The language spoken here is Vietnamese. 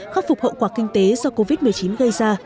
khắc phục hậu quả kinh tế do covid một mươi chín gây ra